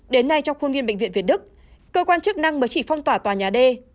đến nay trong khuôn viên bệnh viện việt đức cơ quan chức năng mới chỉ phong tỏa tòa nhà d